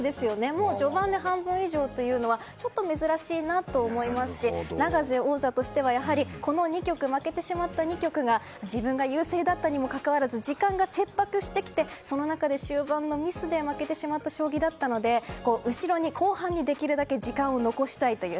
もう序盤で半分以上というのはちょっと珍しいと思いますし永瀬王座としては負けてしまった２局が自分が優勢だったにもかかわらず時間が切迫してきてその中で終盤のミスで負けてしまった将棋なので後半にできるだけ時間を残したいという。